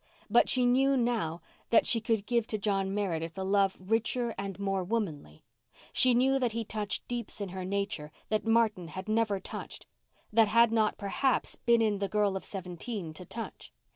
But she knew now that she could give to John Meredith a love richer and more womanly. She knew that he touched deeps in her nature that Martin had never touched—that had not, perhaps, been in the girl of seventeen to touch.